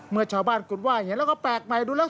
เมื่อชาวบ้านคุณว่ายเห็นแล้วก็แปลกใหม่ดูแล้ว